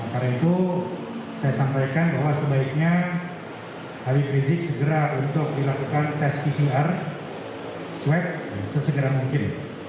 karena itu saya sampaikan bahwa sebaiknya habib rizik segera untuk dilakukan tes pcr swab sesegera mungkin